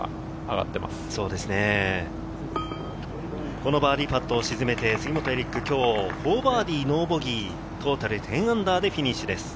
このバーディーパットを沈めて杉本エリック、今日４バーディーノーボギー、トータル−１０でフィニッシュです。